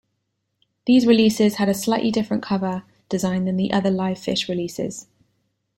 These releases had a slightly different cover design than the other LivePhish releases.